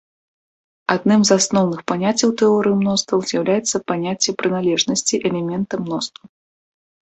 Адным з асноўных паняццяў тэорыі мностваў з'яўляецца паняцце прыналежнасці элемента мноству.